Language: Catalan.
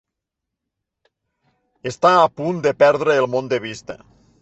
Està a punt de perdre el món de vista.